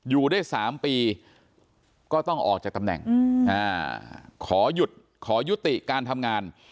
อยู่ได้๓ปีก็ต้องออกจากตำแหน่งขอหยุดขอยุติการทำงาน